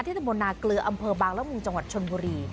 ที่สมนาเกลืออำเภอบางรักษ์และมุมจังหวัดชนบุรี